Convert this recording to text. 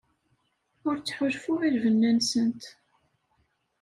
Ur ttḥulfuɣ i lbenna-nsent.